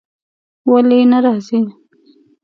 ولی نه راځی ؟